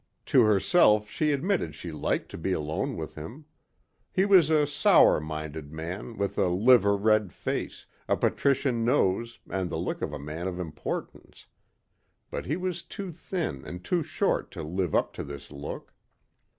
To herself she admitted she liked to be alone with him. He was a sour minded man with a liver red face, a patrician nose and the look of a man of importance. But he was too thin and too short to live up to this look.